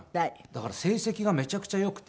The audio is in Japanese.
だから成績がめちゃくちゃよくて。